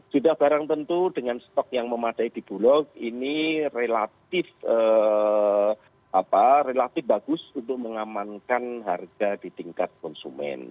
sudah barang tentu dengan stok yang memadai di bulok ini relatif bagus untuk mengamankan harga di tingkat konsumen